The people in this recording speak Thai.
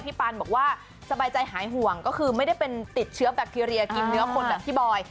ปานบอกว่าสบายใจหายห่วงก็คือไม่ได้เป็นติดเชื้อแบคทีเรียกินเนื้อคนแบบพี่บอย